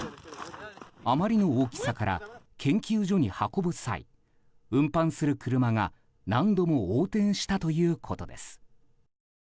あまりの大きさから研究所に運ぶ際運搬する車が何度も横転したということです。